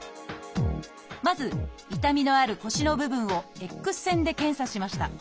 まず痛みのある腰の部分をＸ線で検査しました。